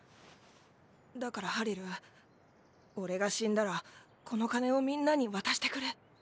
だからハリル俺が死んだらこの金をみんなに渡してくれ。